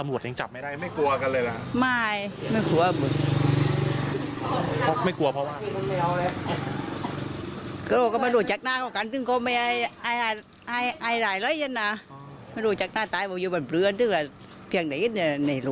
แล้วตำรวจยังจับไม่ได้มั้ยกลัวกันเลยหรอ